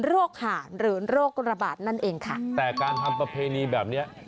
หาดหรือโรคระบาดนั่นเองค่ะแต่การทำประเพณีแบบเนี้ย